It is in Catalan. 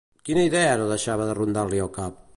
Quina idea no deixava de rondar-li el cap?